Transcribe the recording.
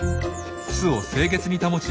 巣を清潔に保ちニオイ